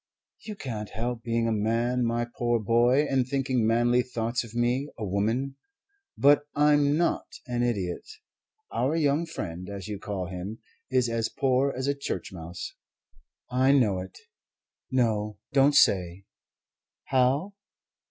"You can't help being a man, my poor boy, and thinking manly thoughts of me, a woman. But I'm not an idiot. Our young friend, as you call him, is as poor as a church mouse. I know it. No, don't say, 'How?'